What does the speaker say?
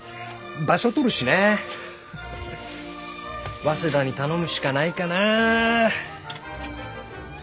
場所とるしね早稲田に頼むしかないかな。